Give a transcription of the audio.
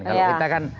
kalau kita kan